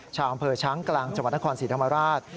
ชาวอำเภอช้างกลางจังหวัดนครศรีธรรมราช